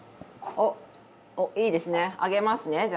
おっいいですね。